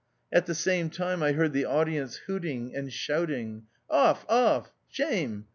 At the same time I heard the audience hooting and shouting, Off! off! Shame!